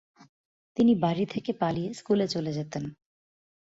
তিনি বাড়ী থেকে পালিয়ে স্কুলে চলে যেতেন।